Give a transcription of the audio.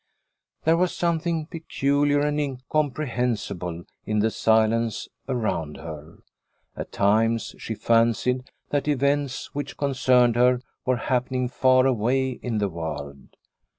There was something peculiar and incom prehensible in the silence around her. At times she fancied that events which concerned her were happening far away in the world.